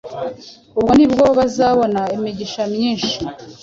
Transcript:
Ubwo nibwo bazabona imigisha myinshi.